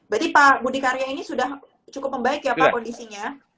berarti pak budi karya ini sudah cukup membaik ya pak kondisinya